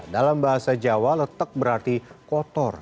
dalam bahasa jawa letek berarti kotor